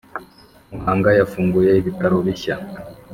Muhanga yafunguye ibitaro bishya